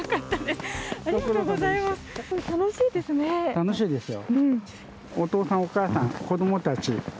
楽しいですよ。